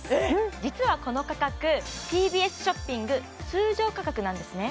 実はこの価格ＴＢＳショッピング通常価格なんですね